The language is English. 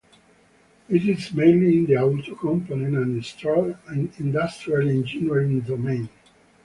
It is mainly in the auto component and industrial engineering domain.